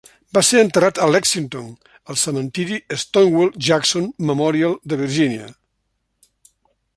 Va ser enterrat a Lexington, al cementiri Stonewall Jackson Memorial de Virgínia.